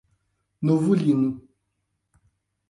Novo Lino